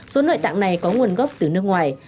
số nội tạng này có nguồn gốc từ nước ngoài